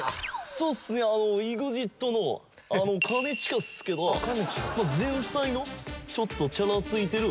そっすねＥＸＩＴの兼近っすけど前菜のちょっとチャラついてる。